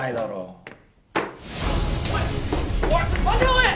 おい！